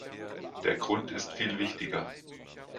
Der Grund ist viel wichtiger.